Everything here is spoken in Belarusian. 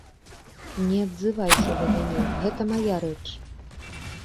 Не адзывайся да мяне, гэта мая рэч.